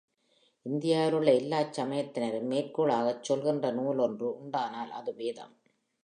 இந்தியாவிலுள்ள எல்லாச் சமயத்தினரும் மேற்கோளாகச் சொல்கின்ற நூல் ஒன்று உண்டானால் அது வேதம்.